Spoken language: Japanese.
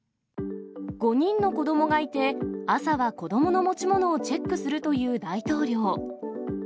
５人の子どもがいて、朝は子どもの持ち物をチェックするという大統領。